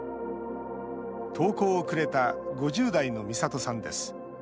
投稿をくれた５０代の、みさとさんです。